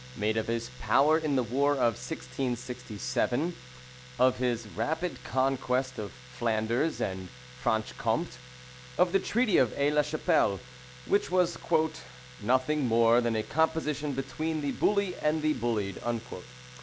made of his power in the war of 1667; of his rapid conquest of Flanders and Franche Comte; of the treaty of Aix la Chapelle, which "was nothing more than a composition between the bully and the bullied;" [Ibid p.